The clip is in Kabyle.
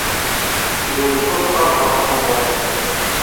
Gren tasɣart ɣef uqendur-iw.